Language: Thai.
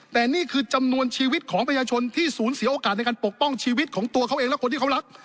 แต่นี่คือจำนวนชีวิตของประชาชนที่สูญเสียโอกาสในการปกป้องชีวิตของตัวเขาเองและคนที่เขารัก